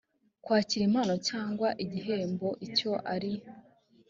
kwakira impano cyangwa igihembo icyo ari